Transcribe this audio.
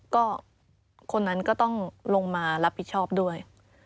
ก็คนนั้นก็ต้องลงมารับผิดชอบด้วย